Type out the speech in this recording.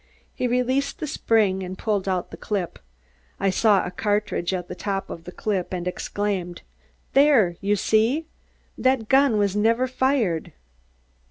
He released the spring and pulled out the clip. I saw a cartridge at the top of the clip and exclaimed: "There! You see? That gun was never fired!"